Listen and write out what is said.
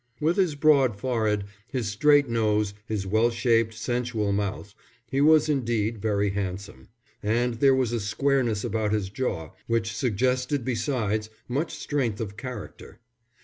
With his broad forehead, his straight nose, his well shaped, sensual mouth, he was indeed very handsome; and there was a squareness about his jaw which suggested besides much strength of character.